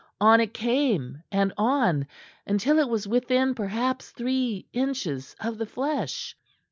On it came and on, until it was within perhaps three inches of the flesh.